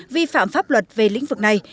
vi phạm pháp luật về lĩnh vực này